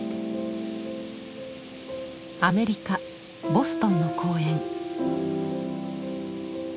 アメリカ・ボストンの公園。